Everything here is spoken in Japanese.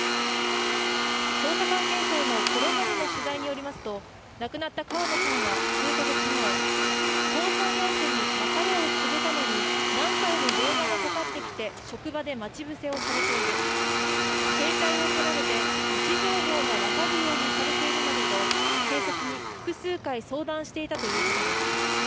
捜査関係者へのこれまでの取材によりますと亡くなった川野さんは、数か月前、交際相手に別れを告げたのに何回も電話がかかってきて、職場で待ち伏せをされている、携帯を取られて位置情報が分かるようにされているなどと警察に複数回相談していたということです。